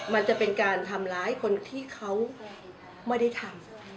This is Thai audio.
มันจะเป็นการทำร้ายคนที่เขาไม่ได้ทำ